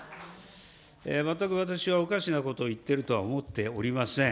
全く私はおかしなことを言ってるとは思っておりません。